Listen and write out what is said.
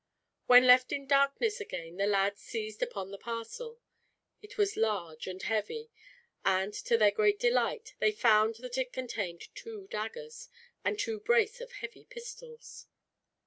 When left in darkness again, the lads seized upon the parcel. It was large and heavy and, to their great delight, they found that it contained two daggers and two brace of heavy pistols.